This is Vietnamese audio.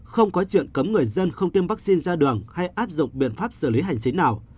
không có chuyện cấm người dân không tiêm vaccine ra đường hay áp dụng biện pháp xử lý hành xín nào